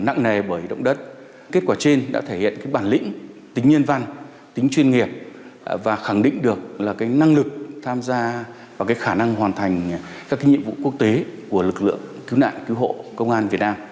nặng nề bởi động đất kết quả trên đã thể hiện bản lĩnh tính nhân văn tính chuyên nghiệp và khẳng định được năng lực tham gia và khả năng hoàn thành các nhiệm vụ quốc tế của lực lượng cứu nạn cứu hộ công an việt nam